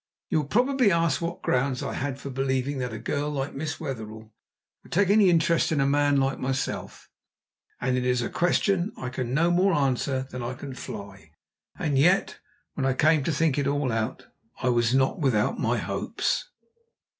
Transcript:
You will probably ask what grounds I had for believing that a girl like Miss Wetherell would take any interest in a man like myself; and it is a question I can no more answer than I can fly. And yet, when I came to think it all out, I was not without my hopes.